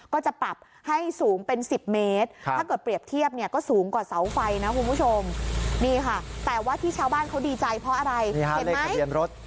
ก็จะปรับให้สูงเป็น๑๐เมตรถ้าเกิดเปรียบเทียบเนี่ยก็สูงกว่าเสาไฟนะคุณผู้ชมนี่ค่ะแต่ว่าที่ชาวบ้านเขาดีใจเพราะอะไรเห็นไหมทะเบียนรถ